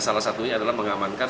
salah satunya adalah mengamankan